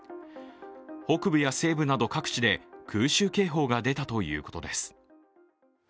北部や西部など各地で空襲警報が出たということです。